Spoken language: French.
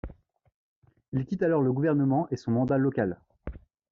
Il quitte alors le gouvernement et son mandat local.